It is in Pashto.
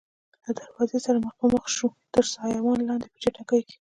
له دروازې سره مخ په مخ شوو، تر سایوان لاندې په چټک کې.